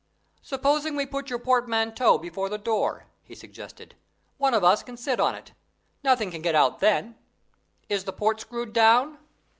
"Supposing we put your portmanteau before the door," he suggested. "One of us can sit on it. Nothing can get out then. Is the port screwed down?"